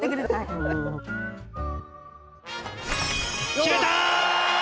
決めた！